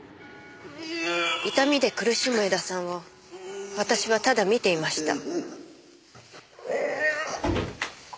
痛みで苦しむ江田さんを私はただ見ていました。